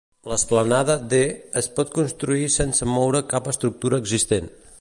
L'esplanada D es pot construir sense moure cap estructura existent.